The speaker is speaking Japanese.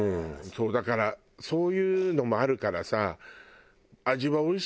そうだからそういうのもあるからさ。